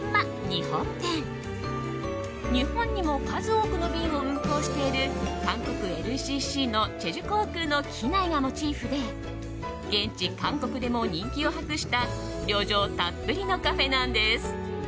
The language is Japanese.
日本にも数多くの便を運航している韓国ＬＣＣのチェジュ航空の機内がモチーフで現地・韓国でも人気を博した旅情たっぷりのカフェなんです。